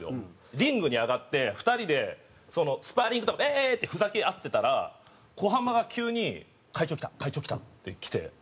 リングに上がって２人でスパーリングとかイエーイってふざけ合ってたら小浜が急に「会長来た会長来た」って来て。